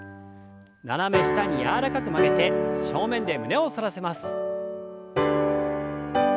斜め下に柔らかく曲げて正面で胸を反らせます。